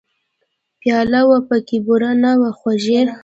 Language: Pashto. پیاله وه پکې بوره نه وه خوږې !